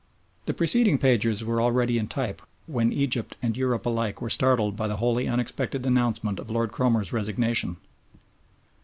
The preceding pages were already in type when Egypt and Europe alike were startled by the wholly unexpected announcement of Lord Cromer's resignation.